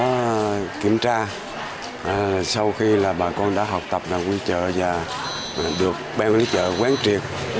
khi mà hàng hóa kiểm tra sau khi là bà con đã học tập là quân chợ và được bên đấy chợ quán triệt